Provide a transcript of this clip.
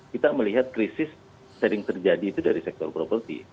kita melihat krisis sering terjadi itu dari sektor properti